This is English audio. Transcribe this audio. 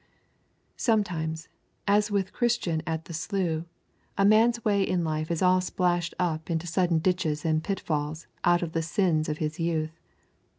Sometimes, as with Christian at the slough, a man's way in life is all slashed up into sudden ditches and pitfalls out of the sins of his youth.